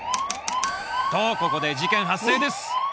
とここで事件発生です